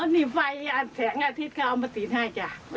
อ่อนี่ไฟแสงอาทิตย์เขาเอามาศีลให้เจ้า